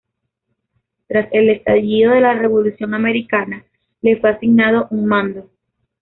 Tras el estallido de la Revolución americana, le fue asignado un mando.